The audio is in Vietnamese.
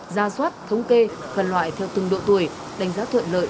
ra soát thống kê phần loại theo từng độ tuổi đánh giá thuận lợi